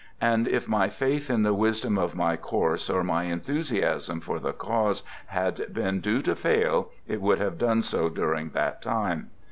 THE GOOD SOLDIER" 85 if my faith in the wisdom of my course or my en thusiasm for the cause had been due to fail, it would have done so during that time.